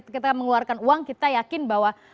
kita mengeluarkan uang kita yakin bahwa